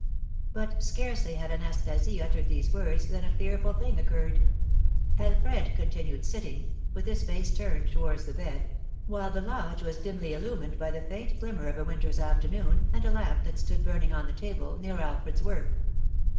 But scarcely had Anastasie uttered these words than a fearful thing occurred. Alfred continued sitting, with his face turned towards the bed, while the lodge was dimly illumined by the faint glimmer of a winter's afternoon and a lamp that stood burning on the table, near Alfred's work.